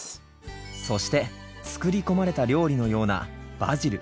そして作り込まれた料理のようなバジル。